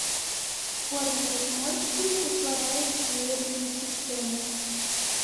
Горныя зморшчыны ўтвараюць веерную сістэму.